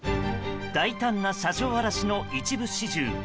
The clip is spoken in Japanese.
大胆な車上荒らしの一部始終。